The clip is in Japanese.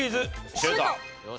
シュート！